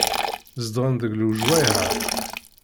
Zedɣen deg lejwayeh-a.